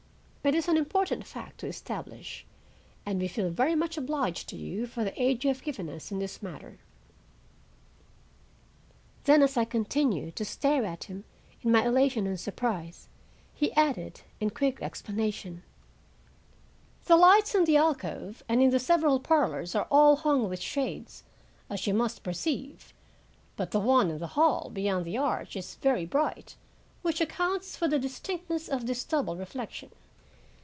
It is an important fact to establish, and we feel very much obliged to you for the aid you have given us in this matter." Then, as I continued to stare at him in my elation and surprise, he added, in quick explanation: "The lights in the alcove, and in the several parlors, are all hung with shades, as you must perceive, but the one in the hall, beyond the arch, is very bright, which accounts for the distinctness of this double reflection.